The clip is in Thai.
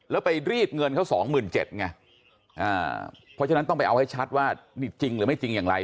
แล้วไปรีดเงินเขา๒๗๐๐ไงเพราะฉะนั้นต้องไปเอาให้ชัดว่านี่จริงหรือไม่จริงอย่างไร